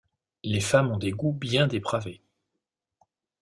Les femmes ont des goûts bien dépravés!